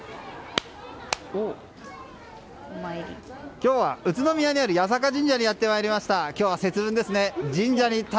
今日は宇都宮にある八坂神社にやってまいりました。